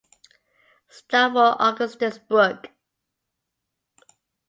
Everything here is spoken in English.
Stopford Augustus Brooke.